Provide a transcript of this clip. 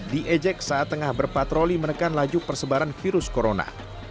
diejek saat tengah berpatroli menekan laju persebaran virus corona